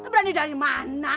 berani dari mana